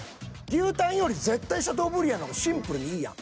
牛タンより絶対シャトーブリアンの方がシンプルにいいやん。